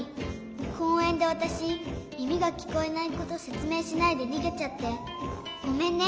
こうえんでわたしみみがきこえないことせつめいしないでにげちゃってごめんね。